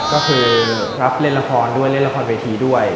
ก็คือรับเล่นละครด้วยเล่นละครเวทีด้วย